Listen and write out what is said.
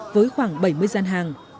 với khoảng bảy mươi gian hàng